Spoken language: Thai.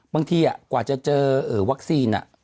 บางทีกว่าจะเจอวัคซีน